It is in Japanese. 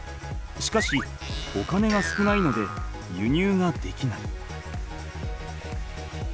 しかしお金が少ないので輸入ができない。